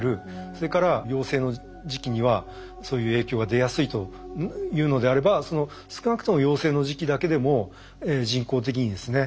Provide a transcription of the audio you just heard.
それから幼生の時期にはそういう影響が出やすいというのであれば少なくとも幼生の時期だけでも人工的にですね